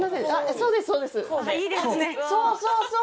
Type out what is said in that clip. そうそうそう！